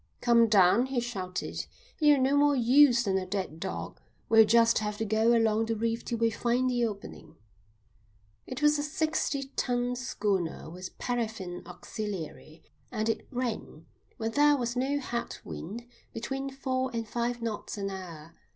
"Come down," he shouted. "You're no more use than a dead dog. We'll just have to go along the reef till we find the opening." It was a seventy ton schooner with paraffin auxiliary, and it ran, when there was no head wind, between four and five knots an hour.